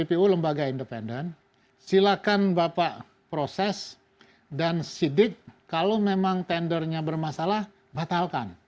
kpu lembaga independen silakan bapak proses dan sidik kalau memang tendernya bermasalah batalkan